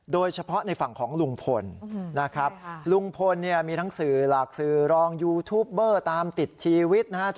โดยเฉพาะในฝั่งของลุงพลนะครับลุงพลเนี่ยมีทั้งสื่อหลักสื่อรองยูทูปเบอร์ตามติดชีวิตนะฮะ